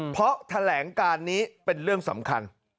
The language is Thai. เพราะแถลงการนี้เป็นเรื่องสำคัญ